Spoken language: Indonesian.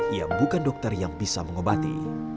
ia bukan dokter yang bisa mengobati